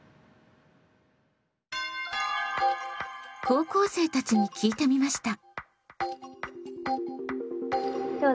高校生たちに聞いてみました。